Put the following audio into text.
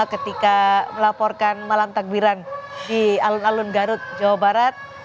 ketika melaporkan malam takbiran di alun alun garut jawa barat